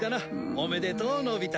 おめでとうのび太。